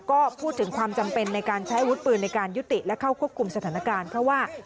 ก็พูดถึงความจำเป็นในการใช้อาวุธปืนในการยุติและเข้าควบคุมสถานการณ์เพราะว่า